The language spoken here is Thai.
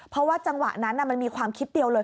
เพราะว่าจังหวะนั้นมันมีความคิดเดียวเลย